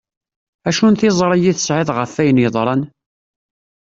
Acu n tiẓri i tesεiḍ ɣef ayen yeḍran?